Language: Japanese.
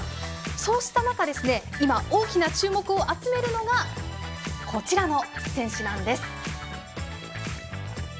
そうした中今、大きな注目を集めるのがこちらの選手なんです。